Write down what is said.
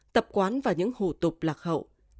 tập quán và những hủ tục lạc hậu